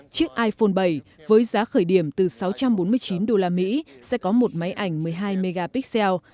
chiếc iphone bảy với giá khởi điểm từ sáu trăm bốn mươi chín đô la mỹ sẽ có một máy ảnh một mươi hai megapixel